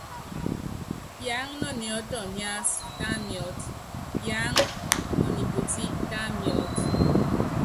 Yaáŋa nɔ niɔ́tɔ niasɔ́, tá miɔ́t, yaáŋa no nipoti, tá miɔ́t.